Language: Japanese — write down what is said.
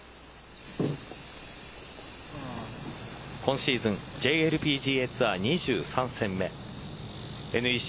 今シーズンＪＬＰＧＡツアー２３戦目ＮＥＣ